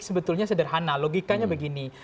sebetulnya sederhana logikanya begini